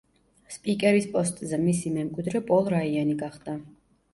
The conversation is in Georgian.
სპიკერის პოსტზე მისი მემკვიდრე პოლ რაიანი გახდა.